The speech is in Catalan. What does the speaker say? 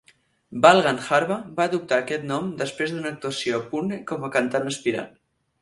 Bal Gandharva va adoptar aquest nom després d'una actuació a Pune com a cantant aspirant.